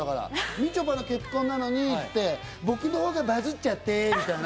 「みちょぱの結婚なのに僕のほうがバズっちゃって」みたいな。